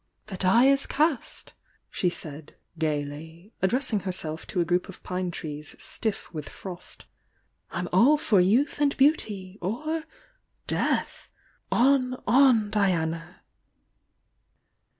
•The die is cast!" she said, gaily— addressing her self to a group of pine trees stiff with frost^'T'm all for youth and beauty!— or— Death! On, on, Diana!"